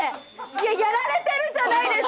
いややられてるじゃないですか！